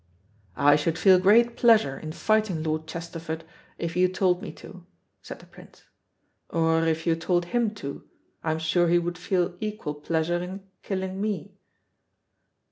"I should feel great pleasure in fighting Lord Chesterford if you told me to," said the Prince, "or if you told him to, I'm sure he would feel equal pleasure in killing me."